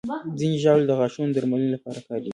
ځینې ژاولې د غاښونو درملنې لپاره کارېږي.